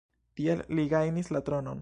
Tiel li gajnis la tronon.